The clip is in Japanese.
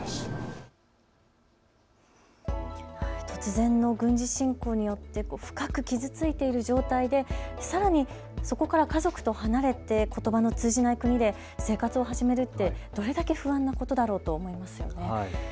突然の軍事侵攻によって深く傷ついている状態でさらにそこから家族と離れてことばの通じない国で生活を始めるってどれだけ不安なことだろうと思いますよね。